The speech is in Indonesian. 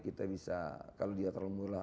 kita bisa kalau dia terlalu murah